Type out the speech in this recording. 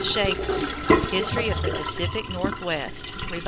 = Schafer, History of the Pacific Northwest (rev.